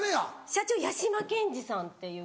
社長矢嶋健二さんっていう方。